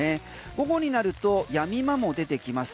午後になると止み間も出てきます。